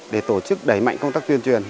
để tổ chức đẩy mạnh công tác tuyên truyền